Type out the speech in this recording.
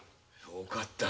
よかった。